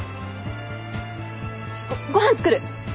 ご飯作る！